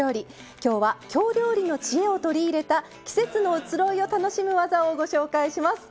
今日は京料理の知恵を取り入れた季節の移ろいを楽しむ技をご紹介します。